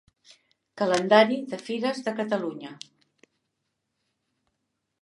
Calendari de fires de Catalunya.